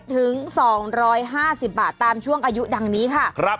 ถึง๒๕๐บาทตามช่วงอายุดังนี้ค่ะ